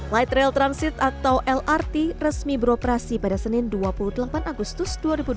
light rail transit atau lrt resmi beroperasi pada senin dua puluh delapan agustus dua ribu dua puluh